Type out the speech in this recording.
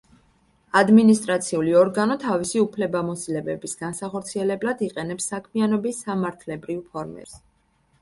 ადმინისტრაციული ორგანო თავისი უფლებამოსილებების განსახორციელებლად იყენებს საქმიანობის სამართლებრივ ფორმებს.